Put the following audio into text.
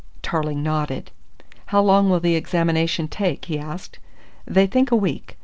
Tarling nodded. "How long will the examination take?" he asked. "They think a week.